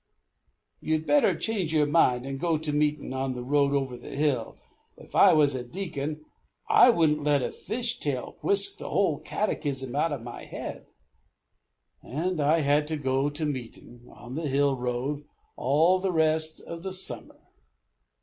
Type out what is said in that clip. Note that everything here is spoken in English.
'You'd better change your road, and go to meetin' on the road over the hill. If I was a deacon, I wouldn't let a fish's tail whisk the whole catechism out of my head;' and I had to go to meetin' on the hill road all the rest of the summer."